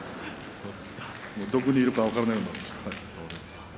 どこにいるか分からないような感じです。